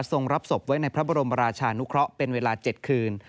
รับศพไว้ในพระบรมราชานุเคราะห์เป็นเวลา๗คืน